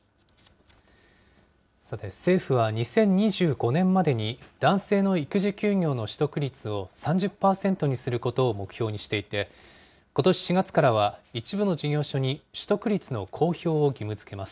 さて、政府は２０２５年までに男性の育児休業の取得率を３０％にすることを目標にしていて、ことし４月からは、一部の事業所に取得率の公表を義務づけます。